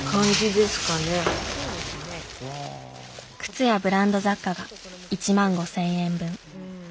靴やブランド雑貨が１万５，０００円分。